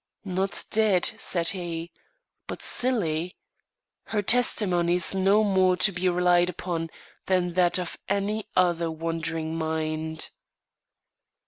"Not dead," said he, "but silly. Her testimony is no more to be relied upon than that of any other wandering mind."